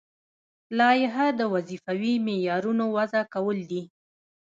لایحه د وظیفوي معیارونو وضع کول دي.